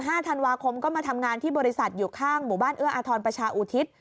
ธันวาคมก็มาทำงานที่บริษัทอยู่ข้างหมู่บ้านเอื้ออาทรประชาอุทิศ